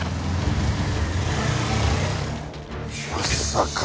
まさか。